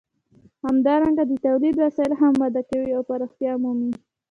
همدارنګه د تولید وسایل هم وده کوي او پراختیا مومي.